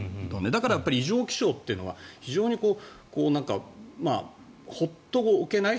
だから、異常気象というのは非常に放っておけない。